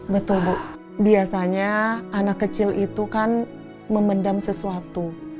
betul bu biasanya anak kecil itu kan memendam sesuatu